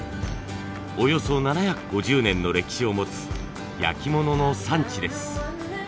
およそ７５０年の歴史を持つ焼き物の産地です。